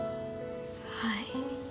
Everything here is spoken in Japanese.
はい。